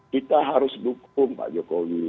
kita harus dukung pak jokowi